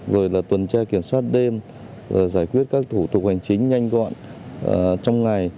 rồi là tuần tra kiểm soát đêm giải quyết các thủ tục hành chính nhanh gọn trong ngày